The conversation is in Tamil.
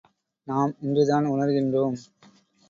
நாம் இன்றுதான் உணர்கின்றோம்.